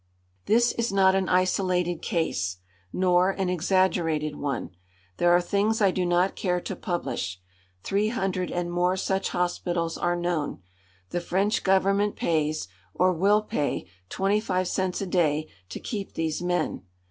This is not an isolated case, nor an exaggerated one. There are things I do not care to publish. Three hundred and more such hospitals are known. The French Government pays, or will pay, twenty five cents a day to keep these men.